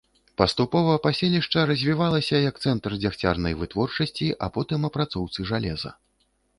Паступова паселішча развівалася як цэнтр дзягцярнай вытворчасці, а потым апрацоўцы жалеза.